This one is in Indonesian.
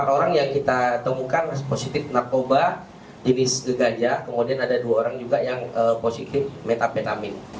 empat orang yang kita temukan positif narkoba jenis ganja kemudian ada dua orang juga yang positif metapetamin